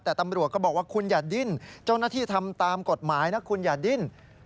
แต่ตำรวจก็บอกว่าคุณอย่าดิ้น